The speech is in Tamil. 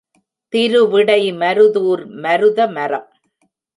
திருவிடை மருதூர் மருதமரம்.